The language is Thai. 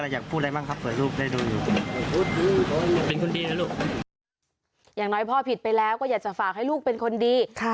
อย่างน้อยพ่อผิดไปแล้วก็อยากจะฝากให้ลูกเป็นคนดี